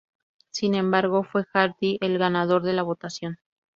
Sin embargo, fue Hardy el ganador de la votación.